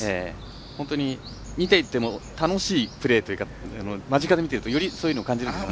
本当に見ていても楽しいプレーというか間近で見ているとより感じますか。